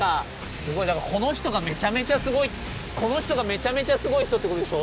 すごいだからこの人がめちゃめちゃすごいこの人がめちゃめちゃすごい人ってことでしょ？